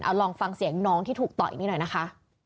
เอาลองฟังเสียงน้องที่ถูกต่อยนี่หน่อยนะคะ